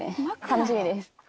楽しみです。